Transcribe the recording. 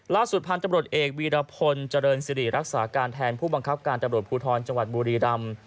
ล่าสุดพันธุ์ตำรวจเอกวีรพลเจริญสิริรักษาการแทนผู้บังคับการตำรวจภูทรจังหวัดบุรีรำ